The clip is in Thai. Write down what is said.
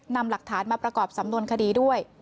นำหลักฐานมาประกอบสำนวนคดีด้วย